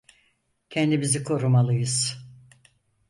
Kendimizi korumalıyız.